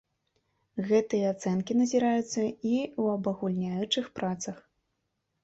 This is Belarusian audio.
Гэтыя ацэнкі назіраюцца і ў абагульняючых працах.